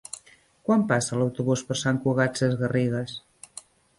Quan passa l'autobús per Sant Cugat Sesgarrigues?